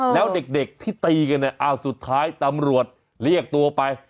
แล้วเด็กที่ตีกันเนี่ยอ้าวสุดท้ายตำรวจเรียกตัวไป